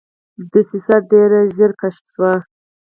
دسیسه ډېره ژر کشف شوه.